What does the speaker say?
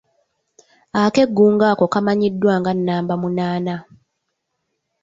Akeegugungo ako kamannyidwa nga namba munana.